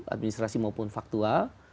administrasi maupun faktual